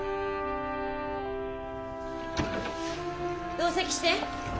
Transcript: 同席して。